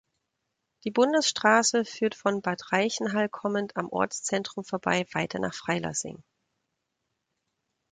Die Bundesstraße führt von Bad Reichenhall kommend am Ortszentrum vorbei weiter nach Freilassing.